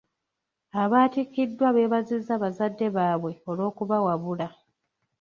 Abaatikiddwa beebazizza bazadde baabwe olw'okubawabula.